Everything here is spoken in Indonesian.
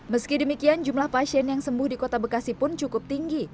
meski demikian jumlah pasien yang sembuh di kota bekasi pun cukup tinggi